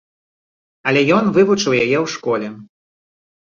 Але ён вывучыў яе ў школе.